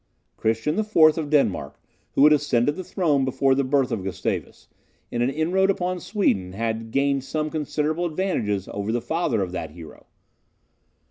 Christian IV. of Denmark, who had ascended the throne before the birth of Gustavus, in an inroad upon Sweden, had gained some considerable advantages over the father of that hero.